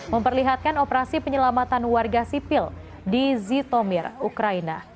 memperlihatkan operasi penyelamatan warga sipil di zitomir ukraina